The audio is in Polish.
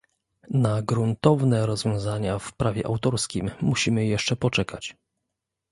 Na gruntowne rozwiązania w prawie autorskim musimy jeszcze poczekać